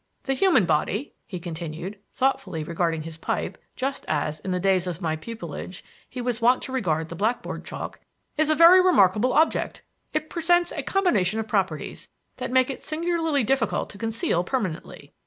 The human body," he continued, thoughtfully regarding his pipe, just as, in the days of my pupilage, he was wont to regard the black board chalk, "is a very remarkable object. It presents a combination of properties, that make it singularly difficult to conceal permanently.